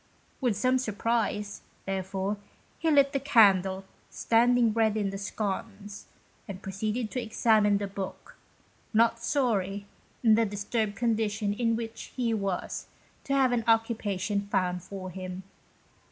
With some surprise, therefore, he lit the candle standing ready in the sconce, and proceeded to examine the book, not sorry, in the disturbed condition in which he was, to have an occupation found for him.